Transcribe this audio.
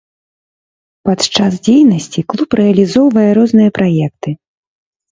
Падчас дзейнасці клуб рэалізоўвае розныя праекты.